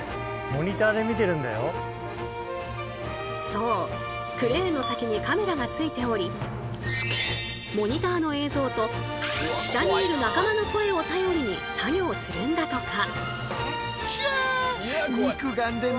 そうクレーンの先にカメラがついておりモニターの映像と下にいる仲間の声を頼りに作業するんだとか。